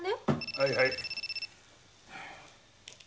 はいはい。